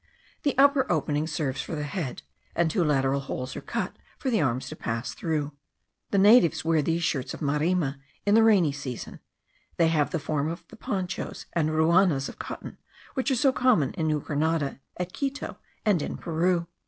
The upper opening serves for the head; and two lateral holes are cut for the arms to pass through. The natives wear these shirts of marima in the rainy season: they have the form of the ponchos and ruanas of cotton, which are so common in New Grenada, at Quito, and in Peru.